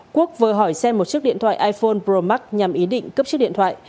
quốc vừa hỏi xem một chiếc điện thoại iphone pro max nhằm ý định cấp chiếc điện thoại